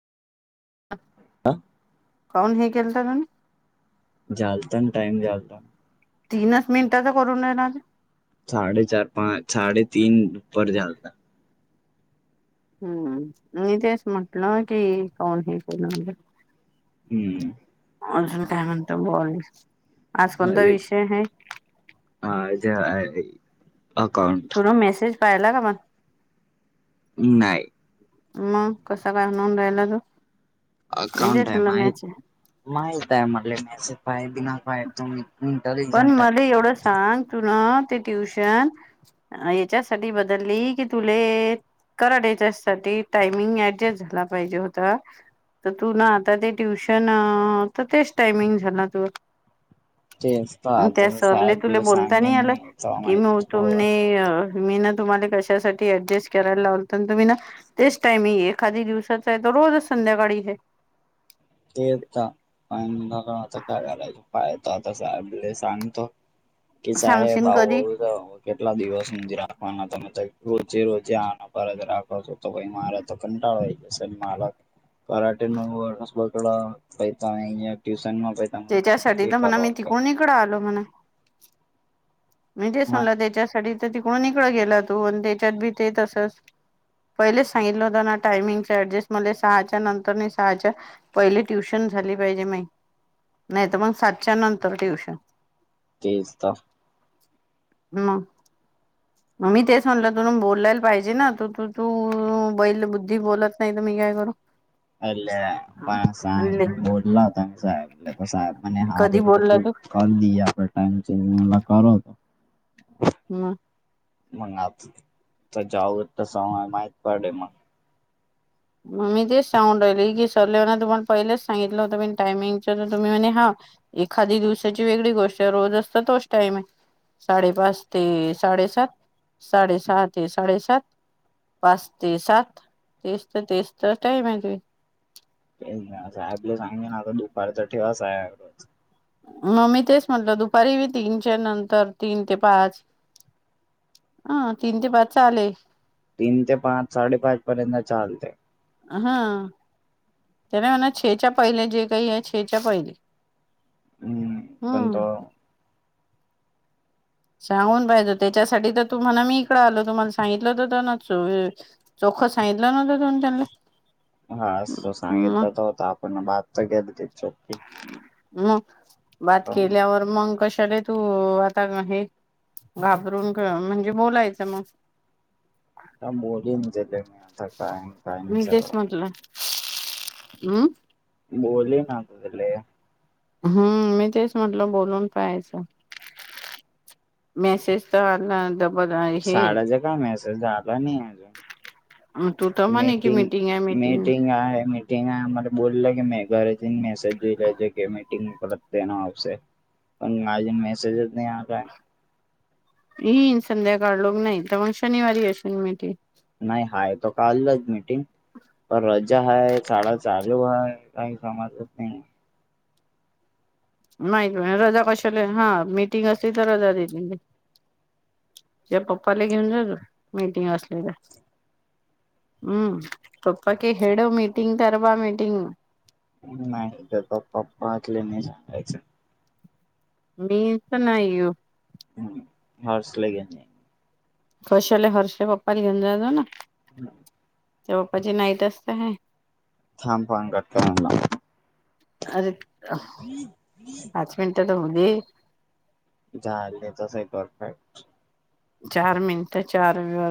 हा काौन हे केलत त लता ना टाइम लता तीनच मिनिटाच करून दे ना साडे चार पाच साडे तीनपर झालता हम्म मी तेच म्हटलं की कोण हे फ हम्म अजून काय म्हणतो बोल आज कोणता अरे विषय आहे अ- अकाउंट पायला का मग नाही मग कसा काय म्हून राहिला तो म्हणजे अकाउंट आहे तुला माही मॅच माहित आहे म्हटले मॅसेज काय बिना काय तुम्ही पण इंटेलिजंट आहे मला एवढं सांग तु ते ट्युशन याच्यासाठी बदलली की तुले कराडच्यासाठी टायमिंग ऍडजस्ट झाला पाहिजे होता तर तू ना आता ते ट्युशन तर तेच टायमिंग झाला तू ते मग त्या सरले तुले बोलता नाही याला तेव्हा कि म माहित होईल सगळं तुमने तुम्हाला कशासाठी ऍडजेस्ट करायला लावले तुम्ही ना तेच टायमिंग एखाद्या दिवशी तर रोज संध्याकाळी हे [unintelligible] प आता काय कलायचं पाय त आता सा आपले सांगतो. की साहेब सांगशीन अहो कधी? व केटला दिवस सुधी राखवाना त रोजे रोजे आना परत राखवतो मला तर कंटाळ मालक कराटे न बकड बैता ट्यूशन म त्याच्यासाठी तर म्हणा मी तिकून इकड आलो म्हणा. म्हणजेच म्हणला त्याच्यासाठी तर तिकडून नििकळ गेला तू आणि त्याच्यात भी ते तसच. पहिले सांगितलं होत ना टायमिंग एडजेस्ट सहाच्या नंतर सहाच्या पहि ट्युशन झाली पाहिजे नाही तर मग सातच्या नंतर ट्युशन. तेच तर हम. मी ते स म्हणलं तुून बोलायला पाहिजे ना तूू तू बैल बुद्धी बोलत नाही. नाही काय करू. ले प साांग आणले बोलाता म साहेब साहेब म कधी हार बोलला तू करदी आपला टाइम चेंज मला कर होत. हम्. मग आता त्याच्याऊत त स माहीित पडे मग मग मी तेच सांगून राहिले की सरले हो ना तु पण पहिलेच सांगितलं होतं मी टायमिंगच तुम्ही म्हणे हा. एखादी दिवसाची वेगळी गोष्ट आहे रोज असत तोच टाईम आहे. साडेपाच ते साडे सात साडे सहा ते साडे सात पाच ते सात तेच ते तेच तर टाईम आहे त साहेबला सांगे ना आता दुपारचा ठेवासा आहेकज. मग मी तेच म्हटलं दुपारी मी तीनच्या नंतर तीन ते पाच हं तीन ते पाच चालेय. तीन ते पाच साडेपाच पर्यंत चालते. हा त्याने म्हणा छेच्या पहिले जे काही आहे छेच्या पहिले. हम् कोण हम्म त सांगून पाहिज त्याच्यासाठी तर तुम्हाला मी इकड आलो तुम्हाला सांगितलं तर खसायलं ना दोन त्यांनले हा तो सांगितलं तर होता आपण बाात तर केली त चोपी हम बात केल्यावर मग कशाला तू आता हे. घाबरून म्हणजे बोलायचं मग. आ बोलली काय काय मी तेच नाहीगड म्हटलं हम्. बोली ना तले हम्म मी तेच म्हटल बोलून पहायचं. मेसेज तर आला द साड्याचं काम आहे असं झालं नाही तू तर अजून म्हणे की मीटिंग आहे मीटिंग आहे मीटिंग आम्हाला बोलले. [unintelligible] पण माजे मेसेजच नाही आला. येईन संध्याकाळ लोक नाही तर मग शनिवारी असेल मीटिंग. नाही हाय तो काल्लंच मिीटिंग पण रज्जा हाय साड चालू आहे काही समाजत नाही. माहती रजा कशाला हा मीटिंग असली तर रजा देतील. त्या पप्पाला घेऊन जाल मीटिंग असलेल्या. हम्म पप्पा क हेड मीटिंग ठरवा मीटिंग हम्म. नाही का प् पप्पाकले नाही सांगायचं. मीन तर नायू [unintelligible] कशले हर्षले पप्पाले घेऊल जा जा ना [unintelligible] तेव्हा 'पपा ची नाईट च तर हाय [unintelligible] अर पाच मिनटात होउ दे [unintelligible] चार मिनटं चार विव